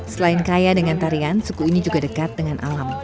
selain kaya dengan tarian suku ini juga dekat dengan alam